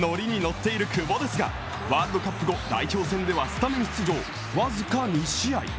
ッている久保ですがワールドカップ後代表選ではスタメン出場、僅か２試合。